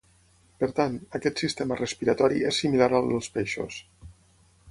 Per tant, aquest sistema respiratori és similar al dels peixos.